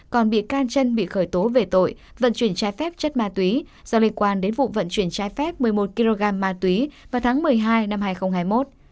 còn bị can chân bị khởi tố về tội vận chuyển trái phép chất ma túy do liên quan đến vụ vận chuyển trái phép một mươi một kg ma túy vào tháng một mươi hai năm hai nghìn hai mươi một